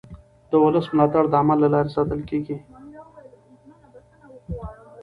د ولس ملاتړ د عمل له لارې ساتل کېږي